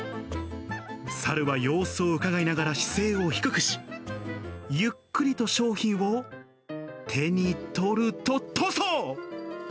猿は様子をうかがいながら姿勢を低くし、ゆっくりと商品を手に取ると逃走！